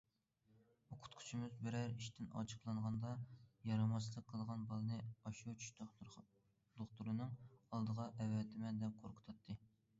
ئوقۇتقۇچىمىز بىرەر ئىشتىن ئاچچىقلانغاندا، يارىماسلىق قىلغان بالىنى ئاشۇ چىش دوختۇرىنىڭ ئالدىغا ئەۋەتىمەن، دەپ قورقۇتاتتى.